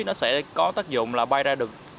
nó sẽ có tác dụng là bay ra được